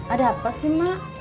ada apa sih mak